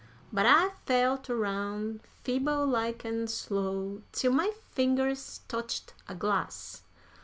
But I felt aroun', feeble like an' slow, till my fingers touched a glass.